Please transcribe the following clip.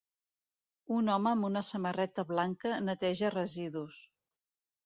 Un home amb una samarreta blanca neteja residus.